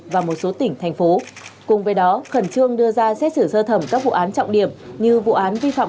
và một số tỉnh thành phố cùng với đó khẩn trương đưa ra xét xử sơ thẩm các vụ án trọng điểm như vụ án vi phạm